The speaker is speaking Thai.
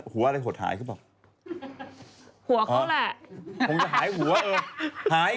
หัวอะไรหัดหาย